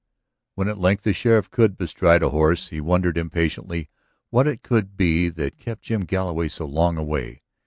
When at length the sheriff could bestride a horse he wondered impatiently what it could be that kept Jim Galloway so long away.